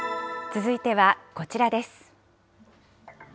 続いてはこちらです。